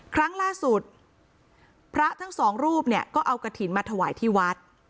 ครั้งล่าสุดพระทั้งสองรูปเนี่ยก็เอากระถิ่นมาถวายที่วัด